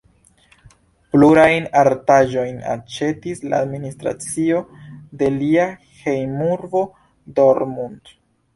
Plurajn artaĵojn aĉetis la administracio de lia hejmurbo Dortmund.